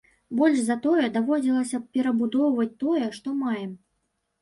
Больш за тое, даводзілася перабудоўваць тое, што маем.